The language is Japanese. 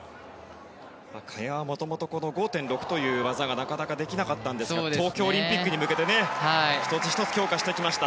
萱はもともと５．６という技がなかなかできなかったんですが東京オリンピックに向けて１つ１つ強化してきました。